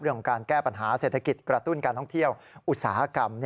การแก้ปัญหาเศรษฐกิจกระตุ้นการท่องเที่ยวอุตสาหกรรม